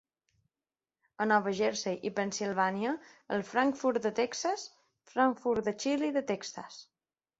A Nova Jersey i Pennsilvània, el "frankfurt de Texas", "frankfurt de xili de Texas".